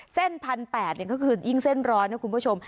เส้นพันแปดเนี่ยก็คือยิ่งเส้นร้อนนะคุณผู้ชม